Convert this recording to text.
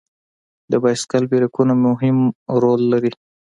د بایسکل بریکونه مهم رول لري.